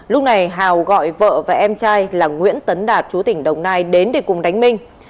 lúc này hào gọi vợ và em trai là nguyễn tấn đạt chú tỉnh đồng nai đến để cùng đánh minh